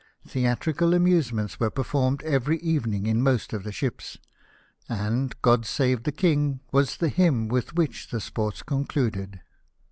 Theatrical amusements were performed every evening in most of the ships, and " God Save the King" was the hymn with which the sports concluded.